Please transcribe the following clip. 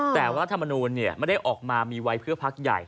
แต่รัฐมนูลไม่ได้ออกมามีไว้เพื่อพักใหญ่